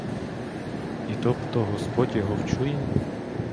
І то б то господь його вчує?